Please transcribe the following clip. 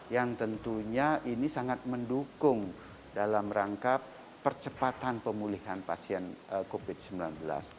yang tentunya ini sangat mendukung dalam rangka percepatan pemulihan pasien covid sembilan belas